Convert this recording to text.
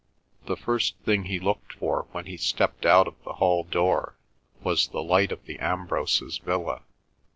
The first thing he looked for when he stepped out of the hall door was the light of the Ambroses' villa.